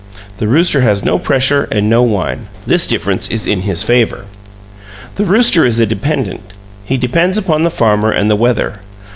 The rooster has no pressure and no wine; this difference is in his favor. The rooster is a dependent; he depends upon the farmer and the weather.